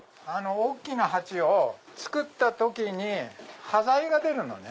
大きな鉢を作った時に端材が出るのね。